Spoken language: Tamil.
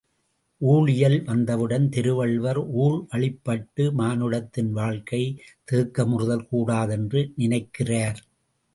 ஊழ் இயல் வந்தவுடன் திருவள்ளுவர், ஊழ்வழிப்பட்டு மானுடத்தின் வாழ்க்கை தேக்கமுறுதல் கூடாதென்று நினைக்கிறார்!